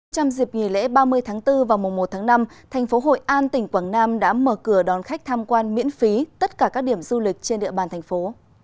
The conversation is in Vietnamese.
trong dịp nghỉ lễ ba mươi tháng bốn và mùa một tháng năm thành phố hội an tỉnh quảng nam đã mở cửa đón khách tham quan miễn phí tất cả các điểm du lịch trên địa bàn thành phố